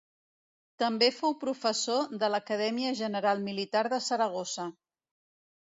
També fou professor de l'Acadèmia General Militar de Saragossa.